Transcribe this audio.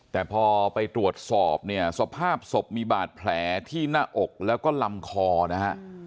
แต่พอไปตรวจสอบเนี่ยสภาพศพมีบาดแผลที่หน้าอกแล้วก็ลำคอนะฮะ